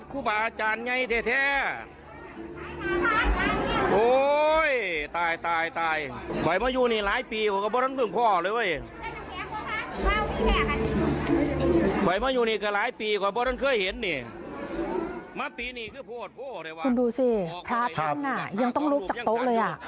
คุณดูสิพระท่านยังต้องลุกจากโต๊ะเลยอ่ะ